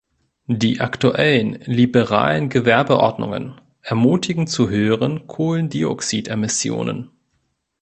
Die aktuellen, liberalen Gewerbeordnungen ermutigen zu höheren Kohlendioxidemissionen.